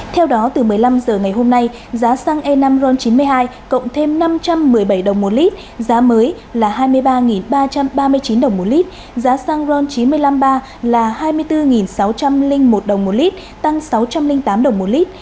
theo đó từ một mươi năm h ngày hôm nay giá xăng e năm ron chín mươi hai cộng thêm năm trăm một mươi bảy đồng một lít giá mới là hai mươi ba ba trăm ba mươi chín đồng một lít giá xăng ron chín trăm năm mươi ba là hai mươi bốn sáu trăm linh một đồng một lít tăng sáu trăm linh tám đồng một lít